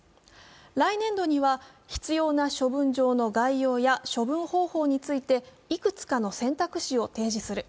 来年度には必要な処分場の概要や処分方法についていくつかの選択肢を提示する。